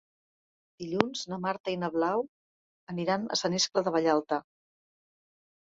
Dilluns na Marta i na Blau aniran a Sant Iscle de Vallalta.